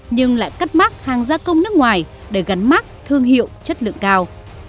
nhưng lại cắt mát hàng gia công nước ngoài để gắn mát thương hiệu chất lượng cao